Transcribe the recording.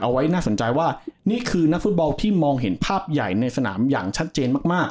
น่าสนใจว่านี่คือนักฟุตบอลที่มองเห็นภาพใหญ่ในสนามอย่างชัดเจนมาก